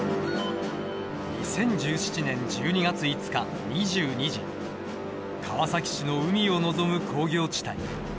２０１７年１２月５日２２時川崎市の海を臨む工業地帯。